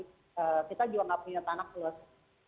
kita juga tidak punya tanah seluruh sana